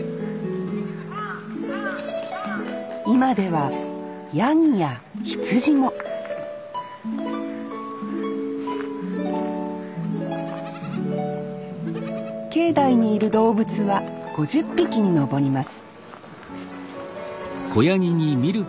今ではヤギや羊も境内にいる動物は５０匹に上ります